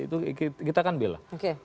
itu kita kan bela